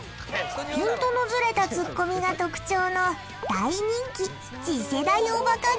ピントのずれたツッコミが特徴の大人気。